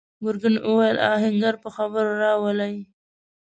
ګرګين وويل: آهنګر په خبرو راولئ!